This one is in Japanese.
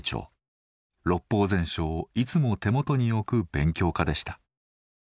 六法全書をいつも手元に置く勉強家でした。